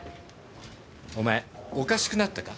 お前おかしくなったか？